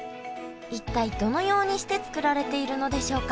一体どのようにして作られているのでしょうか。